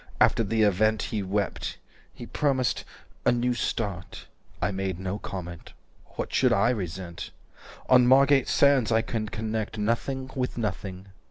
After the event He wept. He promised 'a new start.' I made no comment. What should I resent?" "On Margate Sands. 300 I can connect Nothing with nothing.